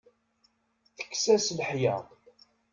Tekkes-as leḥya.